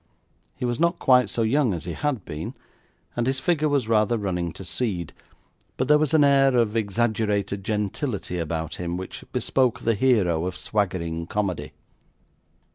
He was not quite so young as he had been, and his figure was rather running to seed; but there was an air of exaggerated gentility about him, which bespoke the hero of swaggering comedy.